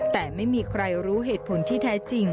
แต่ไม่มีใครรู้เหตุผลที่แท้จริง